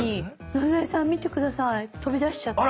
野添さん見て下さい飛び出しちゃった。